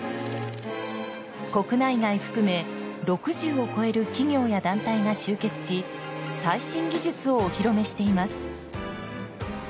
国内外含め６０を超える企業や団体が集結し最新技術をお披露目しています。